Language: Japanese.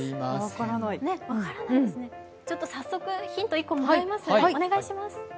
早速ヒント１個もらいます？